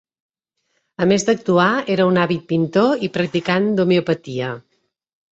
A més d'actuar, era un àvid pintor i practicant d'homeopatia.